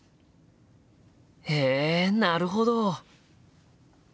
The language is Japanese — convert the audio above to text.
へえなるほど！